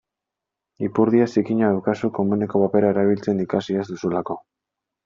Ipurdia zikina daukazu komuneko papera erabiltzen ikasi ez duzulako.